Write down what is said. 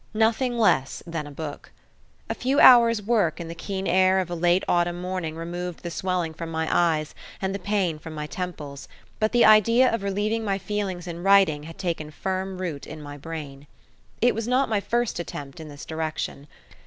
Nothing less than a book. A few hours' work in the keen air of a late autumn morning removed the swelling from my eyes and the pain from my temples, but the idea of relieving my feelings in writing had taken firm root in my brain. It was not my first attempt in this direction.